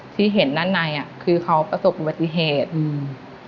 ที่เห็นด้านในอ่ะคือเขาประสบอุบัติเหตุอืม